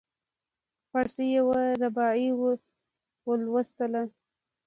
فارسي یوه رباعي ولوستله.